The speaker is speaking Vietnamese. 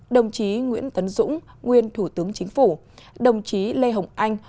đồng chí nguyễn tấn dũng nguyên thủ tướng chính phủ đồng chí lê hồng anh